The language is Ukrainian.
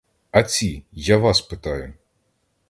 А ці, я вас питаю?